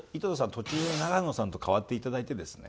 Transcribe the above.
途中で永野さんと替わって頂いてですね